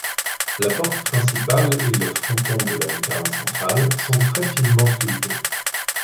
La porte principale et le fronton de la lucarne centrale sont très finement sculptés.